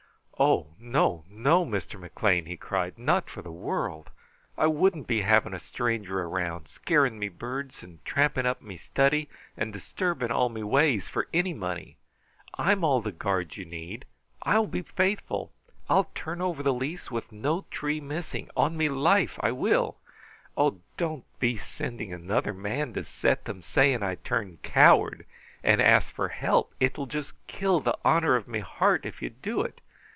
"Oh! no, no, Mr. McLean," he cried. "Not for the world! I wouldn't be having a stranger around, scaring me birds and tramping up me study, and disturbing all me ways, for any money! I am all the guard you need! I will be faithful! I will turn over the lease with no tree missing on me life, I will! Oh, don't be sending another man to set them saying I turned coward and asked for help. It will just kill the honor of me heart if you do it.